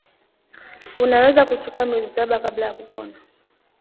Unaweza kuchukua miezi kabla ya kupona.